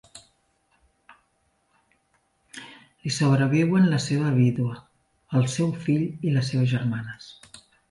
Li sobreviuen la seva vídua, el seu fill i les seves germanes.